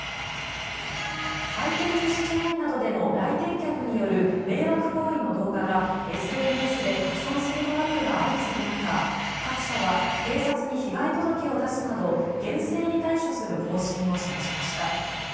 回転寿司チェーンなどでの来店客による迷惑行為の動画がＳＮＳで拡散するトラブルが相次ぐ中各社は警察に被害届を出すなど厳正に対処する方針を示しました。